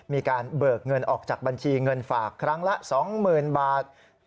มีการเบิกเงินออกจากบัญชีเงินฝากครั้งละ๒๐๐๐บาท